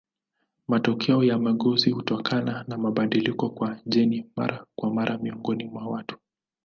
Matokeo ya mageuzi hutokana na mabadiliko kwa jeni mara kwa mara miongoni mwa watu.